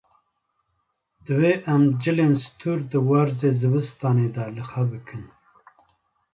Divê em cilên stûr di werzê zivistanê de li xwe bikin.